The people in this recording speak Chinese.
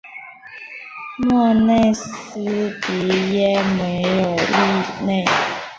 莫内斯蒂耶梅尔利内。